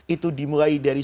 itu dimulai dari